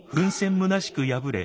むなしく敗れ